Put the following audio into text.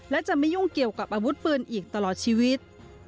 และจะไม่ยุ่งเกี่ยวกับอาวุธปืนอีกตลอดชีวิต